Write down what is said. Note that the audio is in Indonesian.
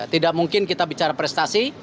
tidak mungkin kita bicara prestasi